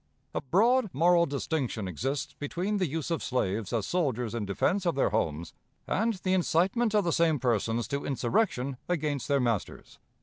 "A broad, moral distinction exists between the use of slaves as soldiers in defense of their homes and the incitement of the same persons to insurrection against their masters.